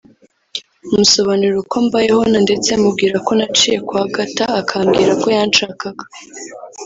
musobanurira uko mbayeho na ndetse mubwira ko naciye kwa Agatha akambwira ko yanshakaga